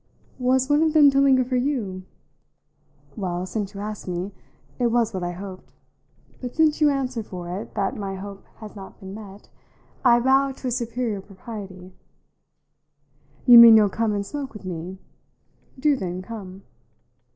"Was one of them to linger for you?" "Well, since you ask me, it was what I hoped. But since you answer for it that my hope has not been met, I bow to a superior propriety." "You mean you'll come and smoke with me? Do then come."